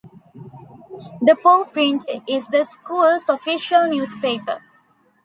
The Paw Print is the school's official newspaper.